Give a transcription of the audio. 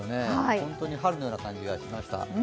本当に春のような感じがしました。